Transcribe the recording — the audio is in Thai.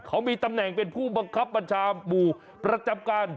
เขามีตำแหน่งเป็นผู้บังคับบัญชาหมู่ประจำการ